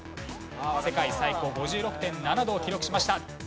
世界最高５６．７度を記録しました。